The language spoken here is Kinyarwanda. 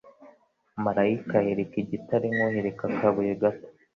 maraika ahirika igitare nk'uhirika akabuye gato,